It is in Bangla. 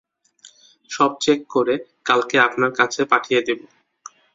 সব চেক করে, কালকে আপনার কাছে পাঠিয়ে দিব।